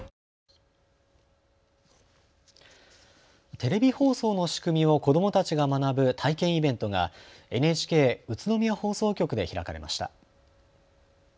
テレビ放送仕組みを子どもたちが学ぶ体験イベントがＮＨＫ宇都宮放送局で開かれました。